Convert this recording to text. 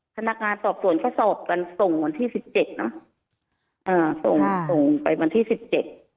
พนักงานสอบสวนก็สอบกันส่งวันที่สิบเจ็ดเนอะอ่าส่งส่งไปวันที่สิบเจ็ด